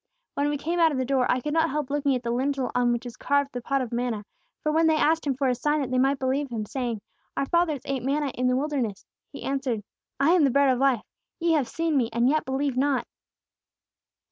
"When we came out of the door, I could not help looking up at the lintel on which is carved the pot of manna; for when they asked Him for a sign that they might believe Him, saying, 'Our fathers ate manna in the wilderness!' He answered: 'I am the bread of life! Ye have seen me, and yet believe not!'